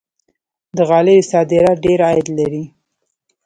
د غالیو صادرات ډیر عاید لري.